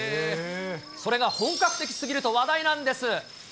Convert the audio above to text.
それが本格的すぎると話題なんです。